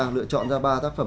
lựa chọn ra ba tác phẩm